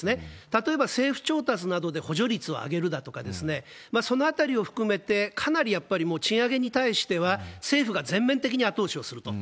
例えば政府調達などで補助率を上げるだとか、そのあたりを含めて、かなりやっぱりもう賃上げに対しては政府が全面的に後押しをすると。